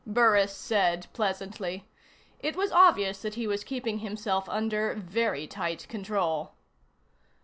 Burris said pleasantly. It was obvious that he was keeping himself under very tight control.